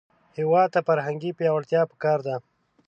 هېواد ته فرهنګي پیاوړتیا پکار ده